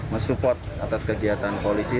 mensupport atas kegiatan polisi